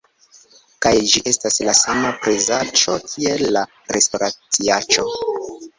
kaj ĝi estas la sama prezaĉo kiel la restoraciaĉo!